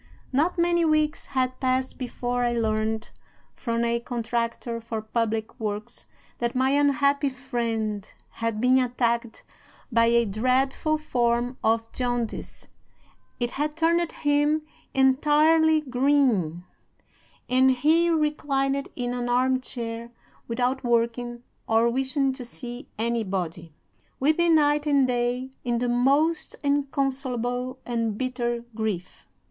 Not many weeks had passed before I learned, from a contractor for public works, that my unhappy friend had been attacked by a dreadful form of jaundice; it had turned him entirely green, and he reclined in an arm chair without working or wishing to see anybody, weeping night and day in the most inconsolable and bitter grief.